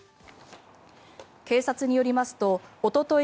警察によりますとおととい